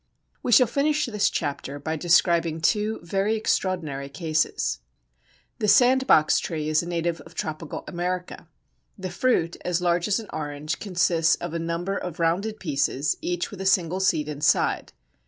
We shall finish this chapter by describing two very extraordinary cases. The Sandbox tree is a native of tropical America. The fruit, as large as an orange, consists of a number of rounded pieces, each with a single seed inside.